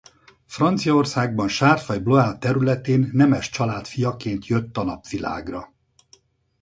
Franciaországban Chartres vagy Blois területén nemes család fiaként jött a napvilágra.